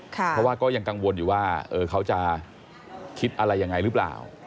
เพราะว่าก็ยังกังวลอยู่ว่าเขาจะคิดอะไรยังไงหรือเปล่า